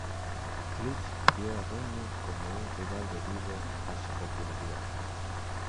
Cliff vio a Ronnie como un rival debido a su popularidad.